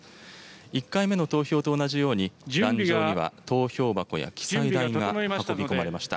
１回目の投票と同じように、壇上には投票箱や記載台が運び込まれました。